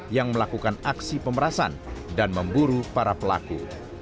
yang melakukan aksi pemerasan dan memburu para pelaku